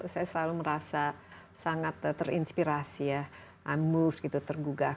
saya selalu merasa sangat terinspirasi i'm moved tergugah